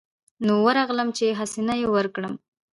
نو ورغلم چې حسنه يې وركړم.